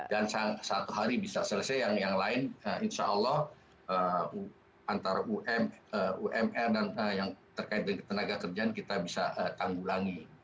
dan satu hari bisa selesai yang lain insya allah antara umr dan yang terkait dengan tenaga kerjaan kita bisa tanggulangi